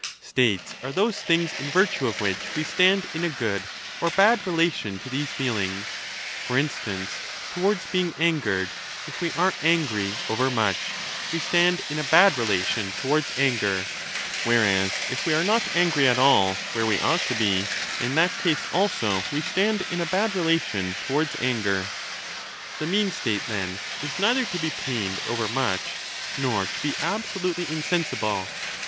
States are those things in virtue of which we stand in a good or bad relation to these feelings ; for instance, towards being angered ; if we are angry over much, we stand in a bad relation towards anger, whereas if we are not angry at all where we ought to be, in that case also we stand in a bad relation towards anger. The mean state, then, is neither to be pained overmuch 20 nor to be absolutely insensible.